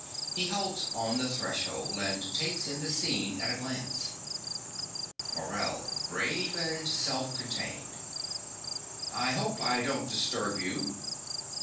He halts on the threshold, and takes in the scene at a glance.) MORELL (grave and self contained). I hope I don't disturb you.